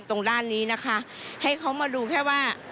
ตรงด้านนี้นะคะให้เขามาดูแค่ว่า